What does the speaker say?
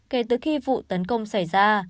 kể từ khi vụ tấn công xảy ra